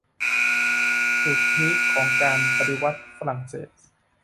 จุดพีคของการปฏิวัติฝรั่งเศส